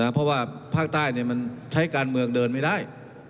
เพราะว่าภาคใต้มันใช้การเมืองเดินไม่ได้